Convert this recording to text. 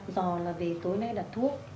dọ là về tối nay đặt thuốc